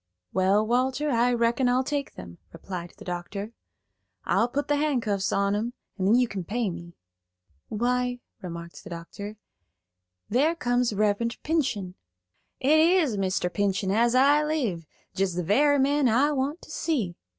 "Well, Walter, I reckon I'll take them," replied the doctor. "I'll put the handcuffs on 'em, and then you can pay me." "Why," remarked the doctor, "there comes Reverend Pinchen." "It is Mr. Pinchen as I live; jest the very man I want to see."